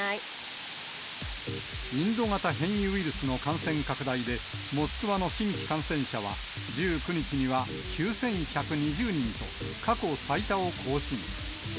インド型変異ウイルスの感染拡大で、モスクワの新規感染者は、１９日には９１２０人と、過去最多を更新。